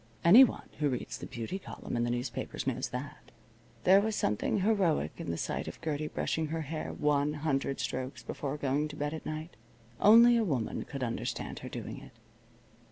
Anyone who reads the beauty column in the newspapers knows that. There was something heroic in the sight of Gertie brushing her hair one hundred strokes before going to bed at night. Only a woman could understand her doing it.